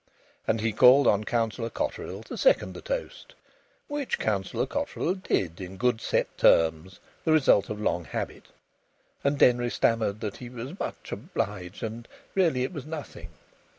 And he called on Councillor Cotterill to second the toast. Which Councillor Cotterill did, in good set terms, the result of long habit. And Denry stammered that he was much obliged, and that really it was nothing.